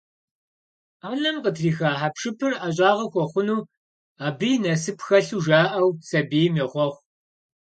Ӏэнэм къытриха хьэпшыпыр ӀэщӀагъэ хуэхъуну, абы и насып хэлъу жаӀэу, сабийм йохъуэхъу.